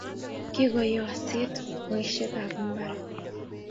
Kokoyoosit boiseikab mbar.